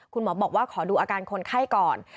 คุณหมอบอกว่าขอดูอาการคนไข้ก่อน